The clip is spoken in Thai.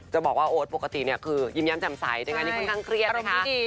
จะบอกว่าโอ๊ตปกติเนี่ยคือยิ้มแย้มแจ่มใสแต่งานนี้ค่อนข้างเครียดนะคะ